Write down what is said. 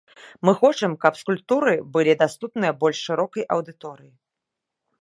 Мы хочам, каб скульптуры былі даступныя больш шырокай аўдыторыі.